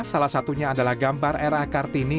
salah satunya adalah gambar era kartini